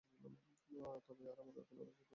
তবে আর আমার এখানে আসিবার প্রয়োজন কী।